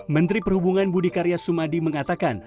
menteri perhubungan budi karya sumadi mengatakan